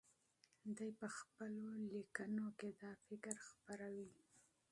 دی په خپلو لیکنو کې دا فکر خپروي.